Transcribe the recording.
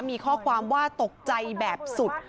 มีข้อความว่าตกใจแบบสุด